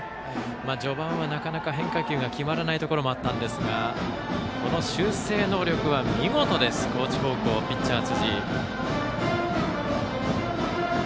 序盤はなかなか変化球が決まらないところもありましたがこの修正能力は見事です高知高校のピッチャー、辻井。